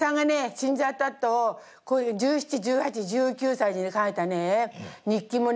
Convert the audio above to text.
死んじゃったあとこういう１７１８１９歳に書いたね日記もね